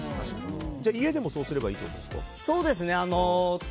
じゃあ、家でもそうすればいいってことですか？